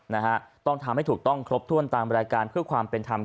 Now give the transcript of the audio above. นะฮะต้องทำให้ถูกต้องครบถ้วนตามรายการเพื่อความเป็นธรรม